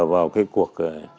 vào cái cuộc